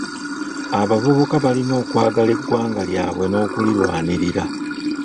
Abavubuka balina okwagala eggwanga lyabwe n'okulirwanirira.